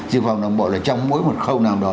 dự phòng đồng bộ là trong mỗi một khâu nào đó